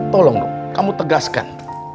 tolong dong kamu tegaskan